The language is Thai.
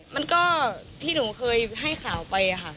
มันก็ที่หนูเคยให้ข่าวไปค่ะ